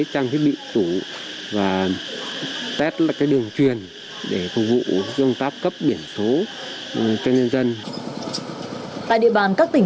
tủ và test là cái đường truyền để phục vụ dương tác cấp biển số cho nhân dân tại địa bàn các tỉnh